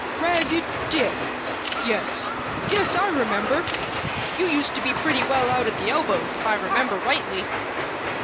"Ragged Dick! Yes, yes, I remember. You used to be pretty well out at elbows, if I remember rightly."